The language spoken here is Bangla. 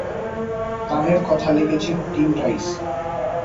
গানের কথা লিখেছেন টিম রাইস।